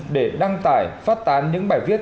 để đăng tải phát tán những bài viết